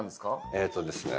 えっとですね